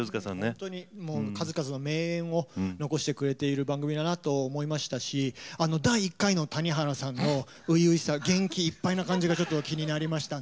本当に数々の名演を残してくれている番組だなと思いましたし第１回の谷原さんの初々しさ元気いっぱいな感じがちょっと気になりましたね。